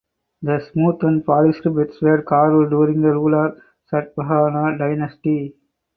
The smooth and polished beds were carved during the rule of Satavahana dynasty.